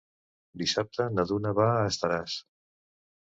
Dissabte na Duna va a Estaràs.